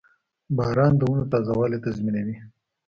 • باران د ونو تازهوالی تضمینوي.